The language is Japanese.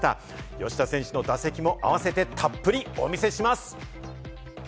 吉田選手の打席もあわせてたっぷりお見せします。